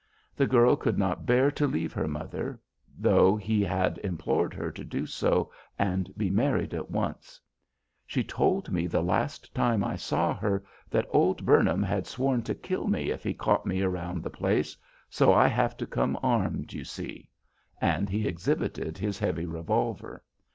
The girl could not bear to leave her mother, though he had implored her to do so and be married at once. "She told me the last time I saw her that old Burnham had sworn to kill me if he caught me around the place, so I have to come armed, you see;" and he exhibited his heavy revolver.